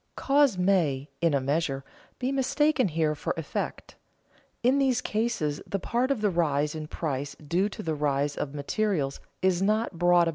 Cause may, in a measure, be mistaken here for effect. In these cases the part of the rise in price due to the rise of materials is not brought about by the trust.